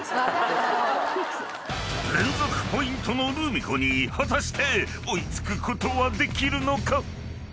［連続ポイントのルミ子に果たして追い付くことはできるのか？］